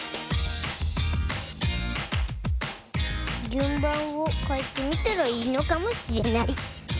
じゅんばんをかえてみたらいいのかもしれない。